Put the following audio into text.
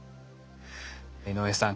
井上さん